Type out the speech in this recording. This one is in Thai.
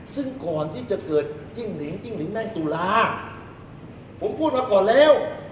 ซึ่งก่อนที่จะเกิดจิ้งหลิงจิ้งหลิงในตุลาผมพูดมาก่อนแล้ว